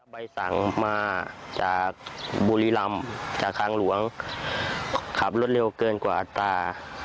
ใบสั่งมาจากบุรีรำจากทางหลวงขับรถเร็วเกินกว่าอัตรา